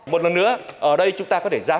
một lần nữa ở đây chúng ta có thể giải quyết